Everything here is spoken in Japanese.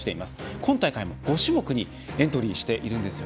今大会も５種目にエントリーしているんです。